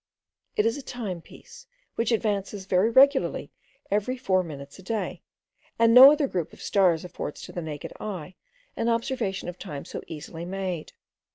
It is a timepiece which advances very regularly nearly four minutes a day, and no other group of stars affords to the naked eye an observation of time so easily made.